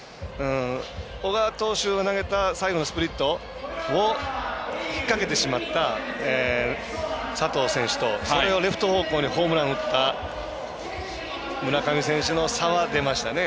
小川投手が投げた最後のスプリットを引っ掛けてしまった佐藤選手とそれをレフト方向にホームランを打った村上選手の差は出ましたね。